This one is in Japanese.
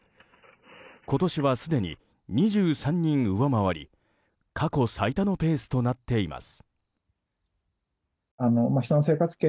今年はすでに２３人上回り過去最多のペースとなっています。